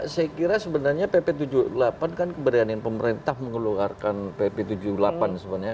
saya kira sebenarnya pp tujuh puluh delapan kan keberanian pemerintah mengeluarkan pp tujuh puluh delapan sebenarnya